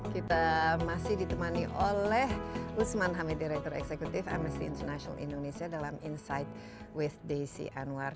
kita masih ditemani oleh usman hamid direktur eksekutif amnesty international indonesia dalam insight with desi anwar